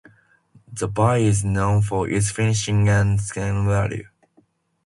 The bay is known for its fishing and scenic value.